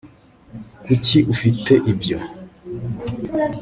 kuki ufite ibyo